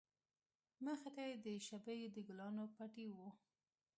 مخې ته يې د شبۍ د گلانو پټى و.